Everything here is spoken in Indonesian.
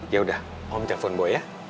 yaudah om telepon boy ya